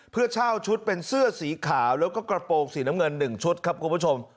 เพื่อเช่าชุดเป็นเสื้อสีขาวแล้วก็กระโปรงสีน้ำเงิน๑ชุดครับคุณผู้ชม